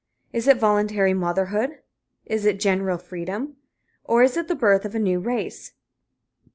Is it voluntary motherhood? Is it general freedom? Or is it the birth of a new race?